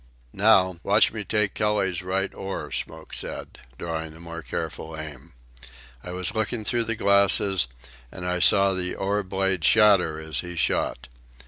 "Now, watch me take Kelly's right oar," Smoke said, drawing a more careful aim. I was looking through the glasses, and I saw the oar blade shatter as he shot.